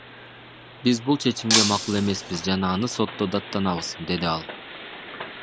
Биз бул чечимге макул эмеспиз жана аны сотто даттанабыз, — деди ал.